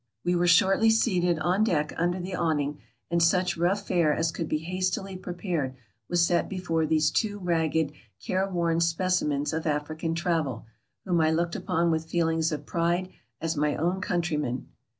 We were shortly seated on deck under the awning, and such rough fare as could be hastily prepared was set before these two ragged, care worn specimens of African travel, whom I looked upon with feelings of pride as my own countrymen.